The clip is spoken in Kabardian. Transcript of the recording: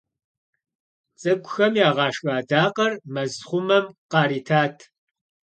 ЦӀыкӀухэм ягъашхэ адакъэр мэзхъумэм къаритат.